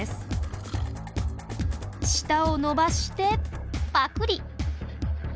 舌を伸ばしてパクリ！